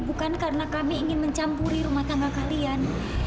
bukan karena kami ingin mencampuri rumah tangga kalian